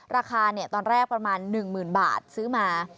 ราคาตอนแรกประมาณ๑๐๐๐บาทซื้อมา